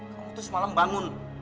kamu tuh semalam bangun